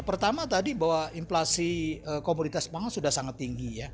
pertama tadi bahwa inflasi komoditas pangan sudah sangat tinggi ya